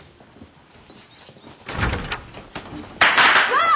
わあ！